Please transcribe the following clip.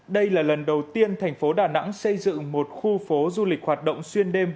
đây là lần đầu tiên thành phố đà nẵng xây dựng một khu phố du lịch hoạt động xuyên đêm